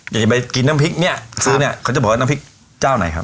อยากจะไปกินน้ำพริกเนี่ยซื้อเนี่ยเขาจะบอกว่าน้ำพริกเจ้าไหนครับ